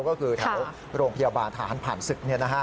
ก็คือแถวโรงพยาบาลทหารผ่านศึก